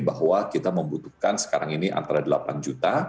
bahwa kita membutuhkan sekarang ini antara delapan juta